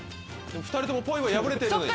２人ともポイは破れてるのに。